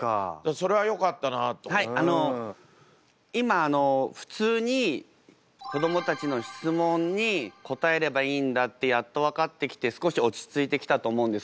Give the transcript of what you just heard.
はいあの今普通に子どもたちの質問に答えればいいんだってやっと分かってきて少し落ち着いてきたと思うんですけど。